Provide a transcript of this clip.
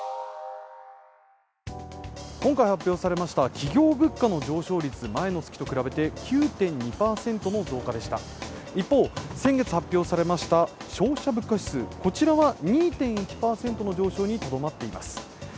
今回発表されました企業物価の上昇率、前の月と比べて９．２％の増加でした一方、先月発表されました消費者物価指数、こちらは２．１％の上昇にとどまっています。